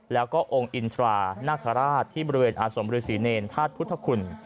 แล้วก็องค์อินทรานักฐราชที่บริเวณอาสมหรือศรีเนรจภาคพุทธคุณ